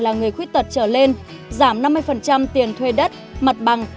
là người khuyết tật trở lên giảm năm mươi tiền thuê đất mặt bằng